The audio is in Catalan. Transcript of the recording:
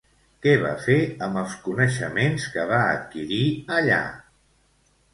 Què va fer amb els coneixements que va adquirir allà?